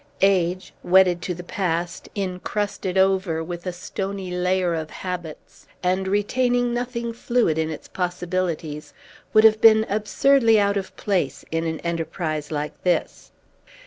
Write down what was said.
Age, wedded to the past, incrusted over with a stony layer of habits, and retaining nothing fluid in its possibilities, would have been absurdly out of place in an enterprise like this.